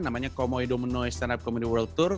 namanya komoi dominoi standup komedy world tour